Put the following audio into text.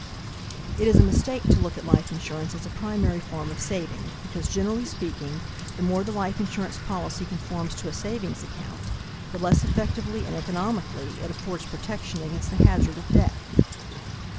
It is a mistake to look at life insurance as a primary form of saving because, generally speaking, the more the life insurance policy conforms to a savings account, the less effectively and economically it affords protection against the hazard of death.